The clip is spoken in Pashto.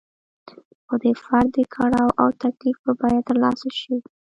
خو د فرد د کړاو او تکلیف په بیه ترلاسه شوې.